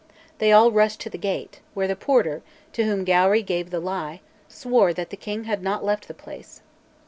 They all rushed to the gate, where the porter, to whom Gowrie gave the lie, swore that the king had not left the place.